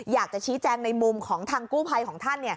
อยากจะชี้แจงในมุมของทางกู้ภัยของท่าน